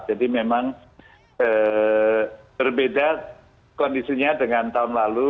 jadi memang berbeda kondisinya dengan tahun lalu